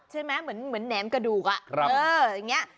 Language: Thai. ใช่ไหมเหมือนแหนมกระดูกอ่ะ